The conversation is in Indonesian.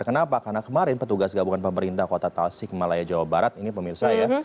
kenapa karena kemarin petugas gabungan pemerintah kota tasik malaya jawa barat ini pemirsa ya